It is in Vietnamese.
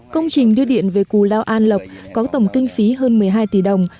công trình đưa điện về cù lao an lộc có tổng kinh phí hơn một mươi hai tỷ đồng